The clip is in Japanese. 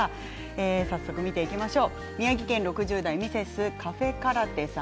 早速、見ていきましょう。